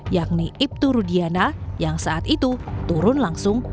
yakni ibtu rudiana yang saat itu turun langsung